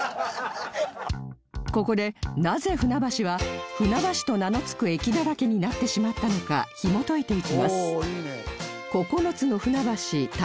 ここでなぜ船橋は船橋と名の付く駅だらけになってしまったのかひもといていきます